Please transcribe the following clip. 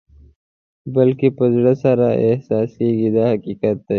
بلکې په زړه سره احساس کېږي دا حقیقت دی.